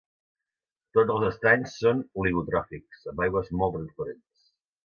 Tots els estanys són oligotròfics, amb aigües molt transparents.